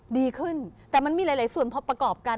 ดีขึ้นแต่มันมีหลายส่วนพอประกอบกัน